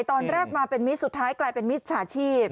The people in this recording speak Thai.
ตอนแรกมาเป็นมิตรสุดท้ายกลายเป็นมิจฉาชีพ